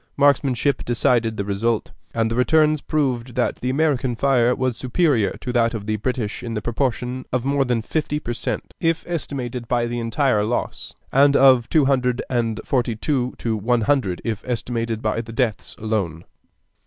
Marksmanship decided the result, and the returns proved that the American fire was superior to that of the British in the proportion of more than fifty per cent, if estimated by the entire loss, and of two hundred and forty two to one hundred if estimated by the deaths alone.